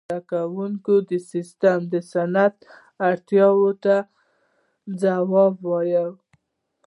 • د زدهکړې سیستم د صنعت اړتیاو ته ځواب وویل.